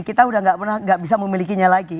kita sudah tidak bisa memilikinya lagi